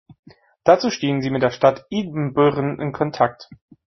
Dazu stehen sie mit der Stadt Ibbenbüren in Kontakt.